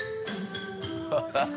ハハハハ。